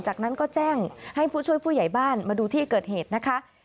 จากนั้นก็แจ้งให้ผู้ช่วยผู้ใหญ่บ้านมาดูที่เกิดเหตุนะคะ